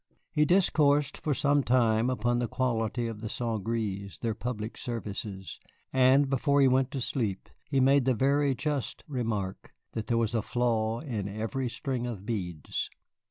He discoursed for some time upon the quality of the St. Gré's, their public services, and before he went to sleep he made the very just remark that there was a flaw in every string of beads.